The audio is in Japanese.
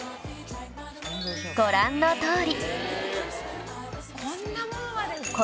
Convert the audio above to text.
ご覧のとおり